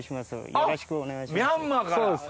よろしくお願いします。